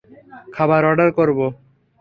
খাবার অর্ডার করবো?